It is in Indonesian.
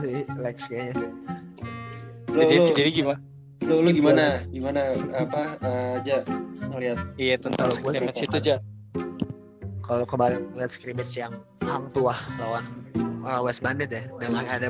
gimana gimana apa aja ngelihat itu aja kalau kembali yang tua lawan west bandit dengan ada